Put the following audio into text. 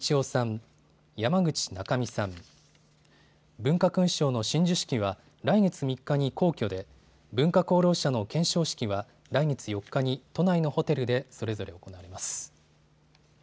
文化勲章の親授式は来月３日に皇居で、文化功労者の顕彰式は来月４日に都内のホテルでそれぞれ行われます。